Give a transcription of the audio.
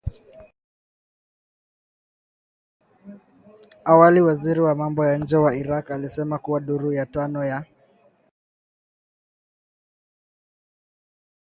Awali waziri wa mambo ya nje wa Iraq, alisema kuwa duru ya tano ya